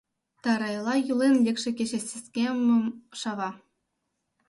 Тарайла йӱлен лекше кече сескемым шава.